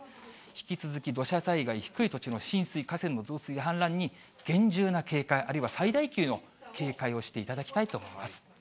引き続き土砂災害、低い土地の浸水、河川の増水や氾濫に厳重な警戒、あるいは最大級の警戒をしていただきたいと思います。